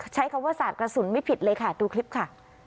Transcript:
ใช้คำว่าสาดกระสุนไม่ผิดเลยค่ะดูคลิปค่ะ